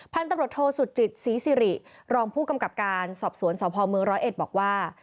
พันธ์ตำรวจโทษสุจิตศรีสิริรองผู้กำกับการสอบสวนสภม๑๐๑บอกว่า